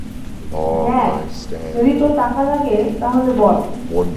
Jazz, যদি তোর টাকা লাগে তাহলে বল।